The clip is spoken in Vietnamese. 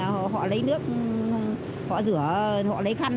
họ lấy nước họ lấy khăn